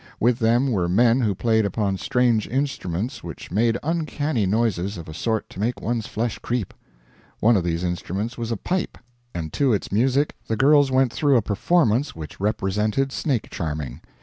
With them were men who played upon strange instruments which made uncanny noises of a sort to make one's flesh creep. One of these instruments was a pipe, and to its music the girls went through a performance which represented snake charming.